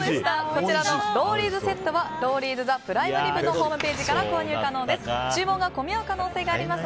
こちらのロウリーズセットはロウリーズ・ザ・プライムリブのホームページから購入可能です。